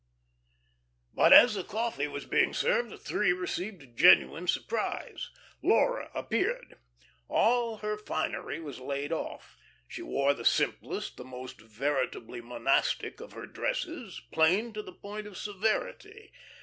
But as the coffee was being served the three received a genuine surprise. Laura appeared. All her finery was laid off. She wore the simplest, the most veritably monastic, of her dresses, plain to the point of severity.